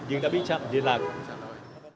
anh đã bị chặn điện lạc